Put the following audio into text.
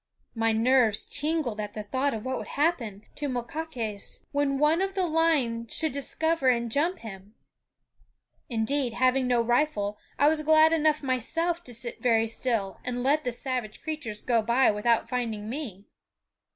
My nerves tingled at the thought of what would happen to Moktaques when one of the line should discover and jump him. Indeed, having no rifle, I was glad enough myself to sit very still and let the savage creatures go by without finding me.